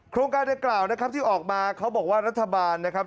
โครงการดังกล่าวนะครับที่ออกมาเขาบอกว่ารัฐบาลนะครับ